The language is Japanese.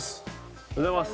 おはようございます。